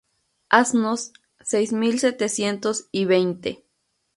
asnos, seis mil setecientos y veinte.